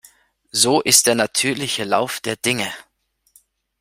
So ist der natürliche Lauf der Dinge.